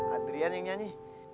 adrian yang nyanyi